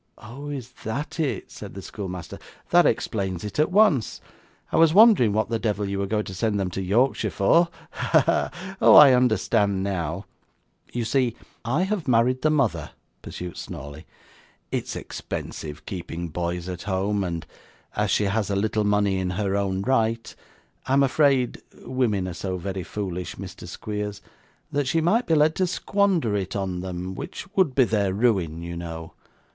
'Oh! Is that it?' said the schoolmaster. 'That explains it at once. I was wondering what the devil you were going to send them to Yorkshire for. Ha! ha! Oh, I understand now.' 'You see I have married the mother,' pursued Snawley; 'it's expensive keeping boys at home, and as she has a little money in her own right, I am afraid (women are so very foolish, Mr. Squeers) that she might be led to squander it on them, which would be their ruin, you know.